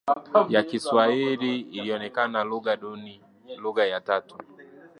ya kiswahili ilionekana lugha duni lugha ya tatu